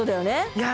いや